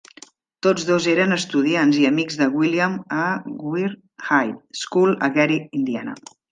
Tots dos eren estudiants i amics de William a. Wirt High School a Gary, Indiana.